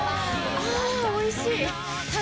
あぁおいしい！